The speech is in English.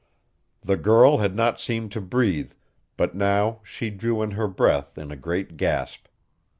The girl had not seemed to breathe, but now she drew in her breath in a great gasp.